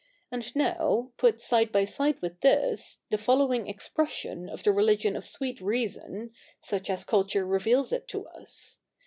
And now, put side by side with this, the following expression of the religion of sweet reason, such as culture reveals it to us.